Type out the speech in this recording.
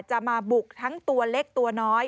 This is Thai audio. จะมาบุกทั้งตัวเล็กตัวน้อย